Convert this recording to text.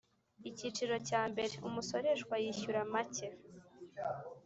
Icyiciro cya mbere Umusoreshwa yishyura macye